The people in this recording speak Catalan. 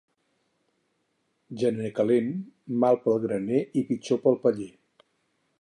Gener calent, mal pel graner i pitjor pel paller.